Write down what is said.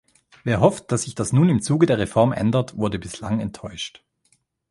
Wer hofft, dass sich das nun im Zuge der Reform ändert, wurde bislang enttäuscht.